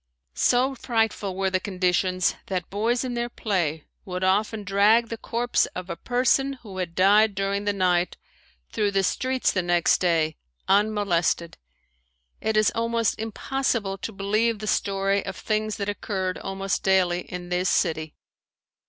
So frightful were the conditions that boys in their play would often drag the corpse of a person who had died during the night through the streets the next day, unmolested. It is almost impossible to believe the story of things that occurred almost daily in this city.